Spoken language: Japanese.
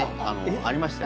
ありましたよね